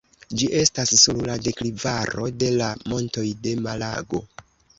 Ĝi estas sur la deklivaro de la Montoj de Malago.